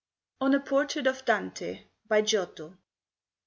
ON A PORTRAIT OF DANTE BY GIOTTO.